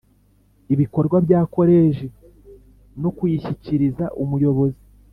ibikorwa bya Koleji no kuyishyikiriza Umuyobozi